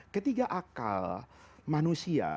ketiga akal manusia